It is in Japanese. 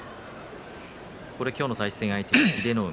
今日の対戦相手、英乃海